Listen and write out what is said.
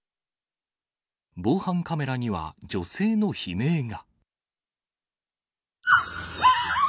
防犯カメラには女性の悲鳴が。